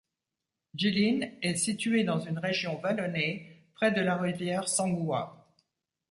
Jilin est située dans une région vallonnée près de la rivière Songhua.